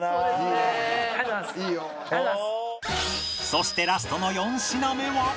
そしてラストの４品目は